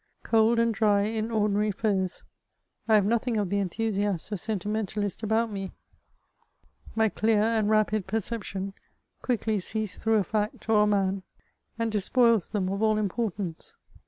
Cold and dry in ordinary affairs, I have nothing of the enthusiast or sentimentalist about me ; my clear and rapid perception quickly sees through a fact or a man, and despoils them of all importance.